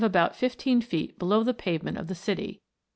225 about fifteen feet below the pavement of the city.